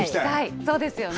そうですよね。